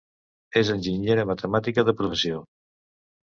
És enginyera matemàtica de professió.